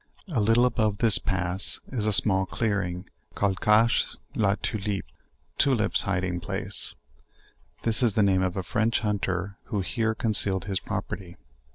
A littie above this pass is. a small clearing, called ''Cache la Turlipe" (Tulips hiding place;) this is the name of a French hunter who here con cealed his property.